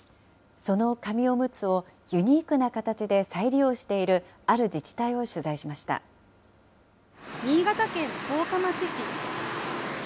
その紙おむつをユニークな形で再利用しているある自治体を取新潟県十日町市。